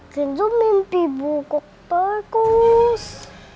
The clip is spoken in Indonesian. kenzo mimpi bukuk pekus